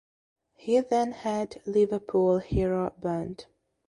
He then had "Liverpool Hero" burnt.